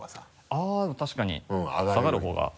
あぁ確かに下がる方が。